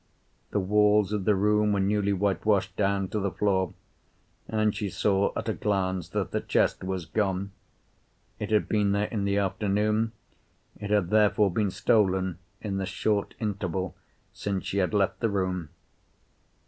The walls of the room were newly whitewashed down to the floor, and she saw at a glance that the chest was gone. It had been there in the afternoon, it had therefore been stolen in the short interval since she had left the room.